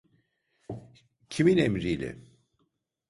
Kimin emriyle?